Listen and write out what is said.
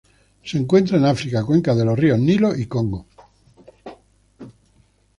Se encuentran en África: cuencas de los ríos Nilo y Congo.